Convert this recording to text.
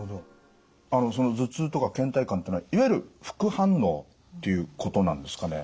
あのその頭痛とかけん怠感っていうのはいわゆる副反応っていうことなんですかね？